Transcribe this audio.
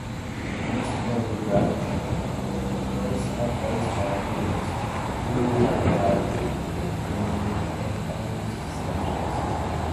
Most of the Black Cross operatives are humans who have been enhanced through surgery.